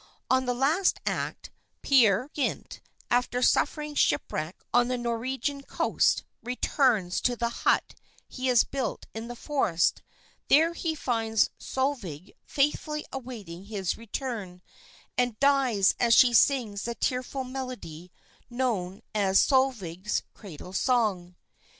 In the last act, Peer Gynt, after suffering shipwreck on the Norwegian coast, returns to the hut he has built in the forest; there he finds Solvejg faithfully awaiting his return, and dies as she sings the tearful melody known as 'Solvejg's Cradle Song.'"